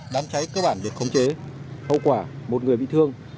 đám cháy cơ bản được khống chế hậu quả một người bị thương